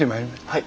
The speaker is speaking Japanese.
はい。